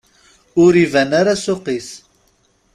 Ur iban ara ssuq-is.